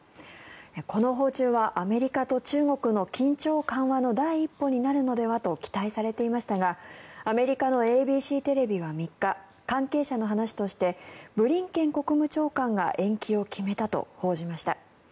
この訪中はアメリカと中国の緊張緩和の第一歩になるのではと期待されていましたがアメリカのＡＢＣテレビは３日関係者の話としてブリンケン国務長官が延期を決めたと報じました。